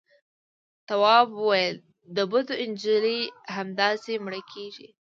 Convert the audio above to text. تواب وويل: د بدو نجلۍ همداسې مړه کېږي.